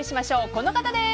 この方です！